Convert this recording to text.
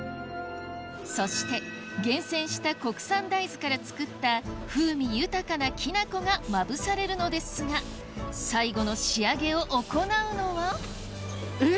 そして厳選した国産大豆から作った風味豊かなきな粉がまぶされるのですが最後の仕上げを行うのはえっ！